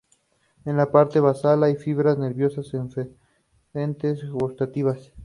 Las representaciones, por decirlo así, son recuerdos agrupados de sensaciones.